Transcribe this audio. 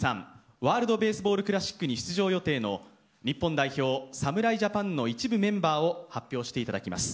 ワールド・ベースボール・クラシックに出場予定の日本代表侍ジャパンの一部メンバーを発表していただきます。